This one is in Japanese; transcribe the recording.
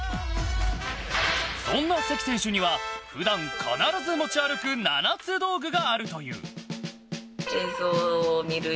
そんな関選手には普段、必ず持ち歩く７つ道具があるという。